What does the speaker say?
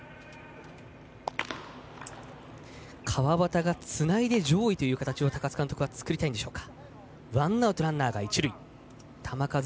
川端がつないで上位という形を高津監督は作りたいんでしょうか。